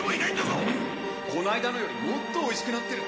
うんこの間のよりもっとおいしくなってる。